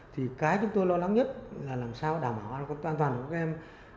thì cái chúng tôi lo lắng nhất là làm sao đảm bảo an toàn của các em